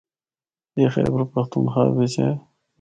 اے خیبر پختونخواہ بچ اے۔